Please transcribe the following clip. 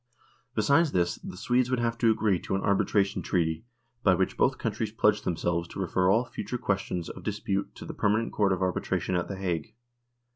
Besides this, the Swedes would have to agree to an arbitration treaty, by which both countries pledged themselves to refer all future questions of dispute to the permanent Court of Arbitration at The Hague.